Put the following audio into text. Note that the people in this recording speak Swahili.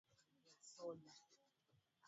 hakikisha udongo hauna kokoto kabla ya kupanda viazi